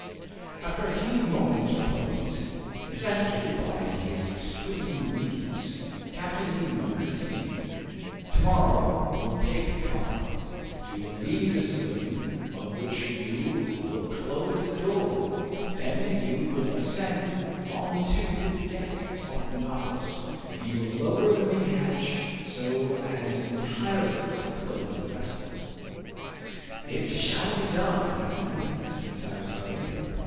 After a few moments' repose, necessitated by his extreme weakness, Captain Nemo continued, "To morrow you will take the coffer, you will leave the saloon, of which you will close the door; then you will ascend on to the deck of the 'Nautilus,' and you will lower the mainhatch so as entirely to close the vessel." "It shall be done, captain," answered Cyrus Harding.